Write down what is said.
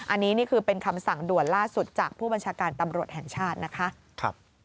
อันนี้นี่คือเป็นคำสั่งด่วนล่าสุดจากผู้บัญชาการตำรวจแห่งชาตินะคะ